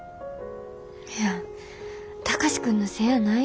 いや貴司君のせいやないよ。